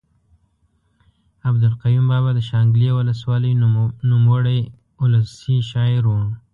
عبدالقیوم بابا د شانګلې اولس والۍ نوموړے اولسي شاعر ؤ